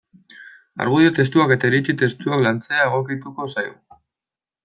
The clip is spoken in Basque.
Argudio testuak eta iritzi testuak lantzea egokituko zaigu.